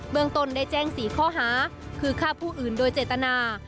ตนได้แจ้ง๔ข้อหาคือฆ่าผู้อื่นโดยเจตนา